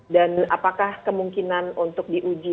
dan apakah kemungkinan untuk diuji